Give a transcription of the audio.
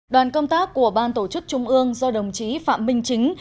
đoàn công tác của ban tổ chức trung ương do đồng chí phạm minh chính